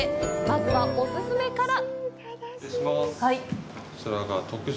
まずはお勧めから。